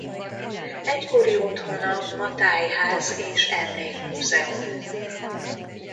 Egykori otthona ma tájház és emlékmúzeum.